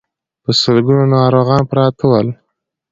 په سلګونو ناروغان پراته ول.